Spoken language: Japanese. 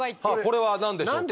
これは何でしょうか？